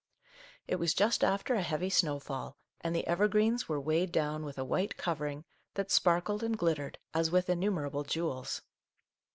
It was just after a heavy snowfall, and the evergreens were weighed down with a white covering that sparkled and glittered as with innumerable jewels.